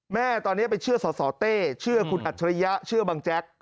แม่ตอนนี้ไปเชื่อสสเต้เชื่อคุณอัจฉริยะเชื่อบังแจ๊ก